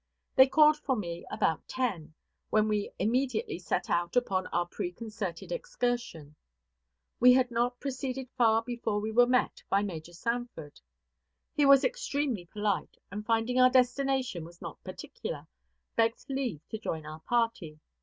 They called for me about ten, when we immediately set out upon our preconcerted excursion. We had not proceeded far before we were met by Major Sanford. He was extremely polite, and finding our destination was not particular, begged leave to join our party.